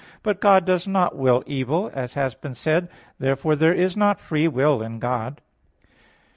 But God does not will evil, as has been said (A. 9). Therefore there is not free will in God.